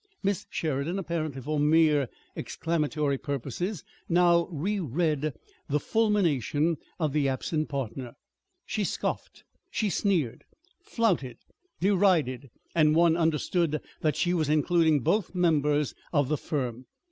Miss Sheridan, apparently for mere exclamatory purposes, now reread the fulmination of the absent partner. She scoffed, she sneered, flouted, derided, and one understood that she was including both members of the firm.